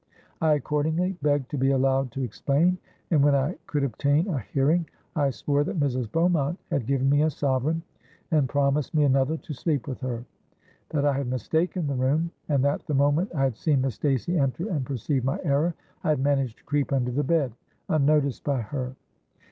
I accordingly begged to be allowed to explain; and when I could obtain a hearing, I swore that Mrs. Beaumont had given me a sovereign, and promised me another to sleep with her—that I had mistaken the room—and that the moment I had seen Miss Stacey enter and perceived my error, I had managed to creep under the bed, unnoticed by her.